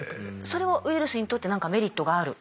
それはウイルスにとって何かメリットがある？